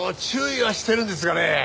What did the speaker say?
注意はしてるんですがね。